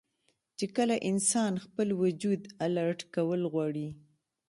چې کله انسان خپل وجود الرټ کول غواړي